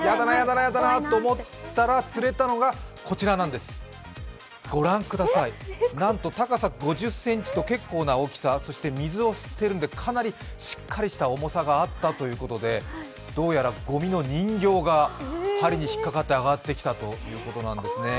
嫌だなと思ったら釣れたのがご覧ください、なんと高さ５０ｃｍと結構な大きさ、そして水を吸ってるので、かなりしっかりした重さがあったということで、どうやらごみの人形が針に引っ掛かって揚がってきたということなんですね。